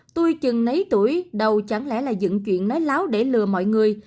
tôi chừng nấy tuổi đâu chẳng lẽ là dựng chuyện nái láo để lừa mọi người